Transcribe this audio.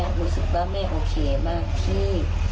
รู้สึกว่าแม่โอเคมากที่